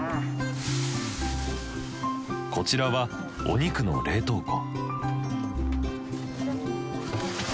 こちらはお肉の冷凍庫。